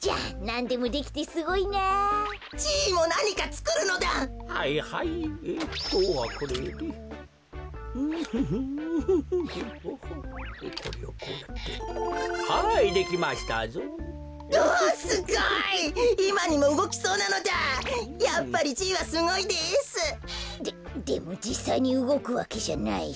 ででもじっさいにうごくわけじゃないし。